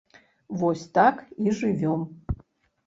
Вось так і жывём.